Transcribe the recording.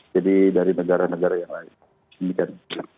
jadi dari negara negara yang lain